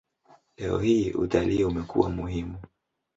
Leo hii utalii umekuwa muhimu.